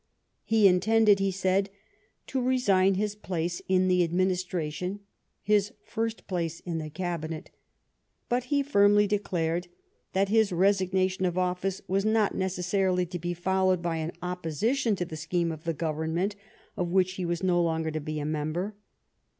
He intended, he said, to resign his place in the administration — his first place in the Cabinet — but he firmly declared that his resignation of office was not necessarily to be followed by an opposition to the scheme of the Government of which he was no longer to be a member.